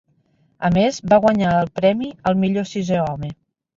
A més, va guanyar el premi al Millor Sisè Home.